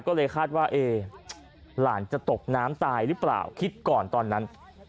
ก็เลยคาดว่าเอ๊หลานจะตกน้ำตายหรือเปล่าคิดก่อนตอนนั้น